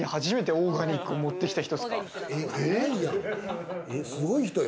オーガニック持ってきた人。